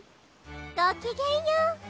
ごきげんよう。